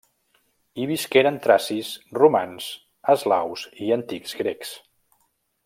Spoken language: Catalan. Hi visqueren tracis, romans, eslaus i antics grecs.